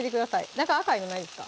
中赤いのないですか？